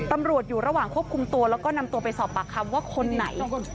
ตำรวจอยู่ระหว่างควบคุมตัวแล้วก็นำตัวไปสอบปากคำว่าคนไหน